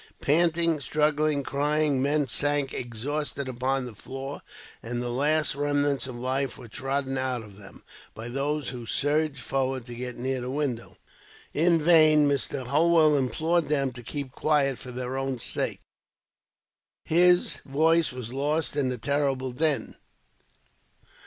Panting, struggling, crying, men sank exhausted upon the floor, and the last remnants of life were trodden out of them, by those who surged forward to get near the window. In vain, Mr. Holwell implored them to keep quiet, for their own sakes. His voice was lost in the terrible din.